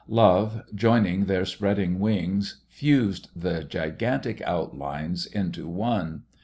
Love, joining their spreading wings, fused the gigantic outlines into one.